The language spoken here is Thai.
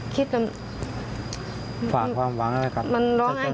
คิดตรงมันร้องไอ้ทุกคน